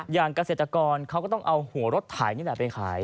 เกษตรกรเขาก็ต้องเอาหัวรถไถนี่แหละไปขาย